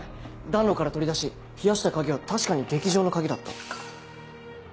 暖炉から取り出し冷やした鍵は確かに劇場の鍵だった。